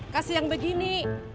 kasih yang begini